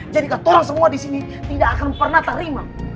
jadi kata orang semua di sini tidak akan pernah terima